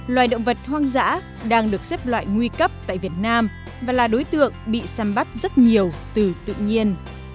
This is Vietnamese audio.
loài động vật hoang dã đang được xếp loại nguy cấp tại việt nam và là đối tượng bị xăm bắt rất nhiều từ tự nhiên